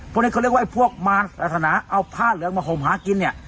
เพราะนั้นก็เรียกว่าพวกมารรษณะเอาผ้าเหลืองมาห่มหากิน